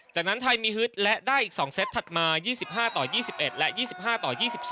จากนั้นไทยมีฮึดและได้อีก๒เซตถัดมา๒๕ต่อ๒๑และ๒๕ต่อ๒๒